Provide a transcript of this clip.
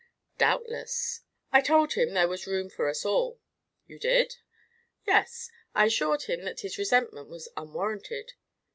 "Doubtless." "I told him there was room for us all." "You did?" "Yes! I assured him that his resentment was unwarranted."